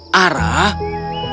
mereka adalah lebah kecil